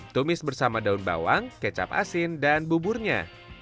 tumis bersama daun bawang kecap asin dan buburnya